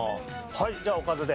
はいじゃあおかずで。